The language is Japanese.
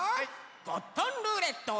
ゴットンルーレット。